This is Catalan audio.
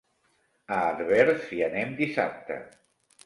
A Herbers hi anem dissabte.